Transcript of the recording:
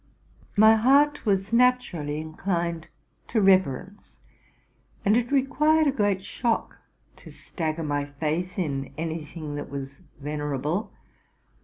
My heart was naturally inclined to reverence, and it required a great shock to stagger my faith in any thing that was vener able.